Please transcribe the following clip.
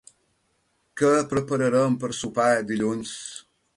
Què prepararem per sopar dilluns?